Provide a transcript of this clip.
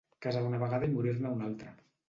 Casar una vegada i morir-ne una altra.